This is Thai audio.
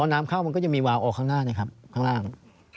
น้ำเข้ามันก็จะมีวาวออกข้างหน้านะครับข้างล่าง